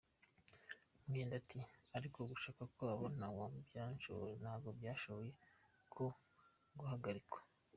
Mwenda ati “Ariko ugushaka kwabo ntabwo byashoboye ko guhagarikwa.